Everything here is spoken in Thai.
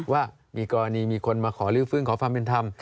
ว่ามีกรณีมีคนมาขอลื้อฟื้นขอความเป็นธรรม